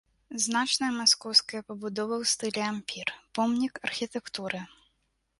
Значная маскоўская пабудова ў стылі ампір, помнік архітэктуры.